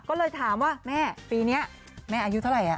ก็เลยถามว่าแม่ปีนี้แม่อายุเท่าไหร่